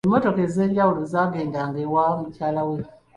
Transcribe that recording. Emmotoka ez'enjawulo zaagendanga ewa mukyala we.